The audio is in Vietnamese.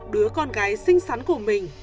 đứa con gái xinh xắn của mình